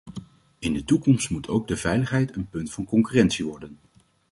In de toekomst moet ook de veiligheid een punt van concurrentie worden.